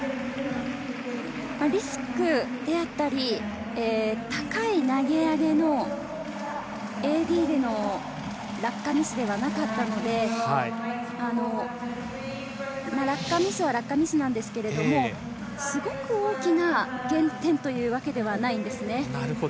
リスクであったり、高い投げ上げのＡＤでの落下ミスではなかったので、落下ミスなんですけれども、すごく大きな減点というわけではないんですね。